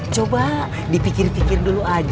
coba dipikir pikir dulu aja